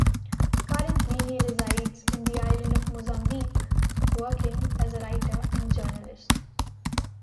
Currently he resides in the Island of Mozambique, working as a writer and journalist.